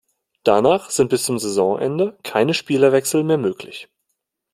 Danach sind bis zum Saisonende keine Spielerwechsel mehr möglich.